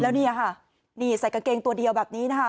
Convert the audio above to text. แล้วนี่ค่ะนี่ใส่กางเกงตัวเดียวแบบนี้นะคะ